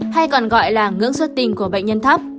hay còn gọi là ngưỡng xuất tinh của bệnh nhân thấp